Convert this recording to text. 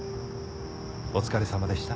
お疲れさまでした。